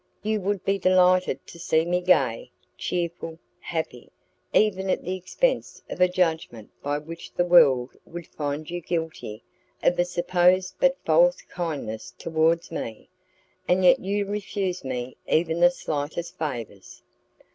You would be delighted to see me gay, cheerful, happy, even at the expense of a judgment by which the world would find you guilty of a supposed but false kindness towards me, and yet you refuse me even the slightest favours!"